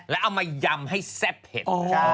แล้วเอามายำให้แซ่บเผ็ด